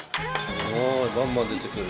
バンバン出てくる。